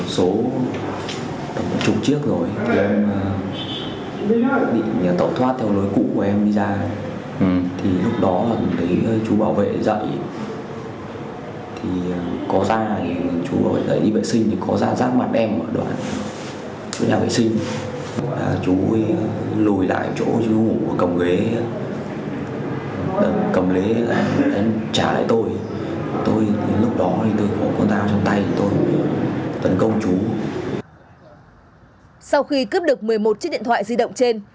sau khi cướp được một mươi một chiếc điện thoại di động trên